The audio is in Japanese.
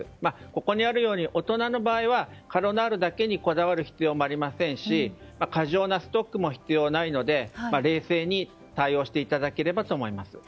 ここにあるように大人の場合はカロナールだけにこだわる必要はありませんし過剰なストックも必要ないので冷静に対応していただければと思います。